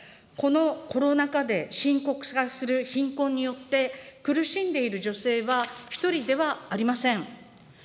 このコロナ禍で深刻化する貧困によって、苦しんでいる女性は一人ではありません。